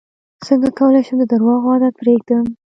څنګه کولی شم د درواغو عادت پرېږدم